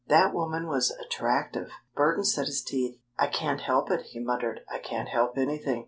That woman was attractive!" Burton set his teeth. "I can't help it," he muttered. "I can't help anything.